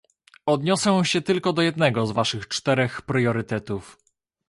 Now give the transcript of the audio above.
Odniosę się tylko do jednego z waszych czterech priorytetów